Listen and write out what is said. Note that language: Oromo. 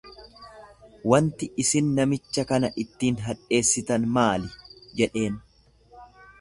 "Wanti isin namicha kana ittiin hadheessitan maali?" jedheen.